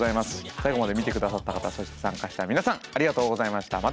最後まで見て下さった方そして参加した皆さんありがとうございました。